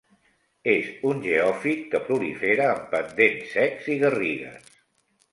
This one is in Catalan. És un geòfit que prolifera en pendents secs i garrigues.